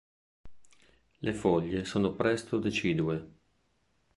Le foglie sono presto decidue.